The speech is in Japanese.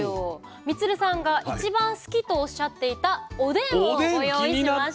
充さんが一番好きとおっしゃっていたおでんをご用意しました。